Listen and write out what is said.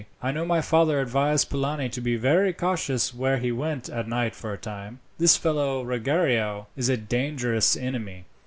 I know my father advised Polani to be very cautious where he went at night for a time. This fellow, Ruggiero, is a dangerous enemy.